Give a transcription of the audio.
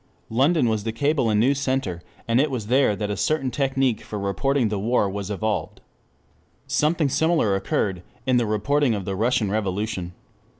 London was the cable and news center, and it was there that a certain technic for reporting the war was evolved. Something similar occurred in the reporting of the Russian Revolution.